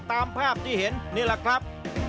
ตามภาพที่เห็นนี่แหละครับ